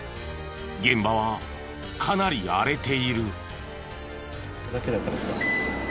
現場はかなり荒れている。